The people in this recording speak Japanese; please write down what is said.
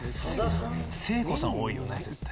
聖子さん多いよね絶対。